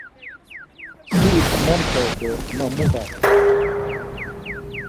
Siti mamt̆er do ma mu p̌are?